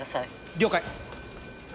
了解！